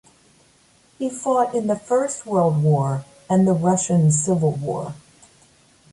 He fought in the First World War and the Russian Civil War.